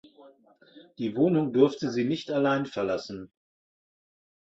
Die Wohnung durfte sie nicht allein verlassen.